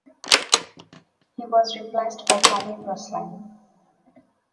He was replaced by Tommy Breslin.